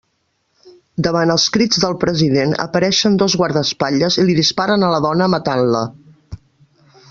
Davant els crits del president, apareixen dos guardaespatlles i li disparen a la dona, matant-la.